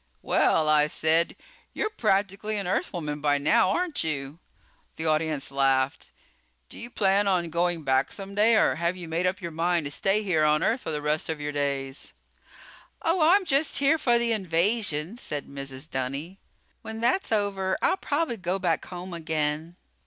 "Well," I said, "you're practically an Earthwoman by now, aren't you?" The audience laughed. "Do you plan on going back someday or have you made up your mind to stay here on Earth for the rest of your days?" "Oh, I'm just here for the invasion," said Mrs. Dunny. "When that's over I'll probably go back home again."